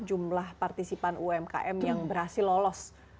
jumlah partisipan umkm yang berhasil lolos proses kurasi itu